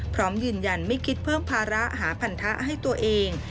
พร้อมยืนยันไม่คิดเพิ่มภาระหาพันธะให้ตัวเอง